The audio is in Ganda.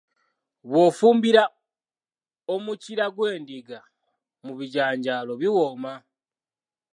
Bw’ofumbira Omukira gw’endiga mu bijanjaalo biwooma.